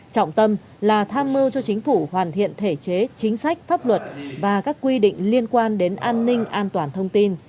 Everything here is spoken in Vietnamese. trọng tâm là tham mưu cho chính phủ hoàn thiện thể chế chính sách pháp luật và các quy định liên quan đến an ninh an toàn thông tin